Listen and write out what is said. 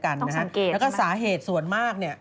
ต้องสังเกตใช่ไหมแล้วก็สาเหตุส่วนมาก